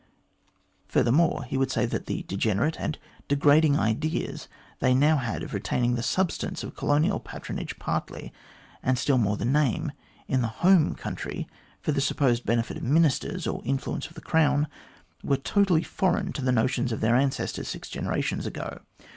Further more, he would say that the degenerate and degrading ideas they now had of retaining the substance of colonial patron age partly, and still more the name, in the home country, for the supposed benefit of Ministers, or influence of the Crown, were totally foreign to the notions of their ancestors six generations ago.